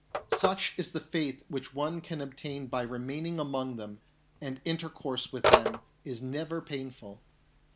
Such is the faith which one can obtain by remaining among them, and intercourse with them is never painful.